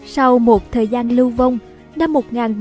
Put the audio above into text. sau một thời gian lưu vong năm một nghìn bảy trăm tám mươi tám